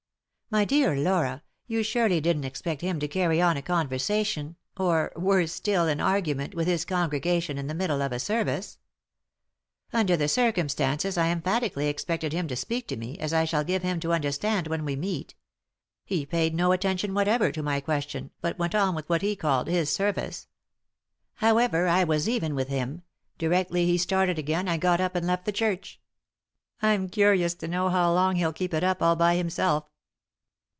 " My dear Laura, you surely didn't expect him to cany on a conversation, or, worse still, an argument, with his congregation in the middle of a service ?"" Under the circumstances I emphatically expected him to speak to me, as I shall give him to understand when we meet. He paid no attention whatever to my 214 ;«y?e.c.V GOOglC THE INTERRUPTED KISS question, but went on with what he called his service. However, I was even with him. Directly he started again I got up and left the church. I'm curious to know how long hell keep it up all by himself."